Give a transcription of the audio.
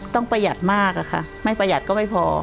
ประหยัดมากอะค่ะไม่ประหยัดก็ไม่พอ